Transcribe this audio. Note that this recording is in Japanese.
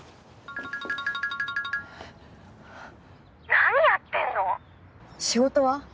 何やってんの⁉仕事は？